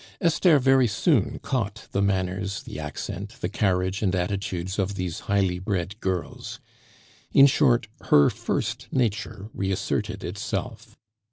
Esther very soon caught the manners, the accent, the carriage and attitudes of these highly bred girls; in short, her first nature reasserted itself.